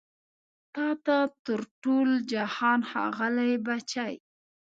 تا ته تر ټول جهان ښاغلي بچي